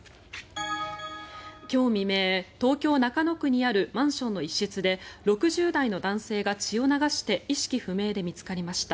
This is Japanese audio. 今日未明、東京・中野区にあるマンションの一室で６０代の男性が血を流して意識不明で見つかりました。